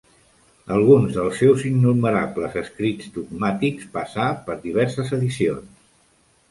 Alguns dels seus innumerables escrits dogmàtics passà per diverses edicions.